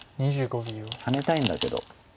ハネたいんだけど。